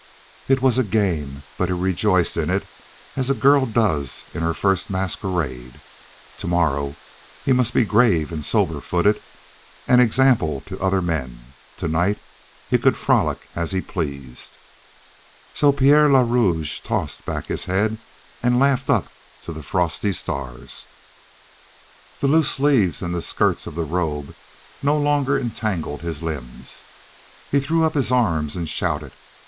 It was a game, but he rejoiced in it as a girl does in her first masquerade. Tomorrow he must be grave and sober footed and an example to other men; tonight he could frolic as he pleased. So Pierre le Rouge tossed back his head and laughed up to the frosty stars. The loose sleeves and the skirts of the robe no longer entangled his limbs. He threw up his arms and shouted.